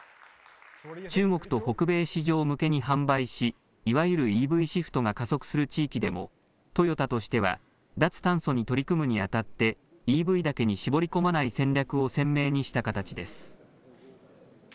中国と北米市場向けに販売し、いわゆるＥＶシフトが加速する地域でも、トヨタとしては脱炭素に取り組むにあたってＥＶだけに絞り込まない戦略を鮮明にした形です。